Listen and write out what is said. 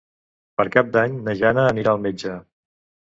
Per Cap d'Any na Jana anirà al metge.